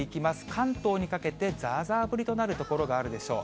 関東にかけてざーざー降りとなる所があるでしょう。